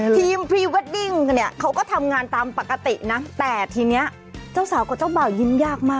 พรีเวดดิ้งเนี่ยเขาก็ทำงานตามปกตินะแต่ทีนี้เจ้าสาวกับเจ้าบ่าวยิ้มยากมาก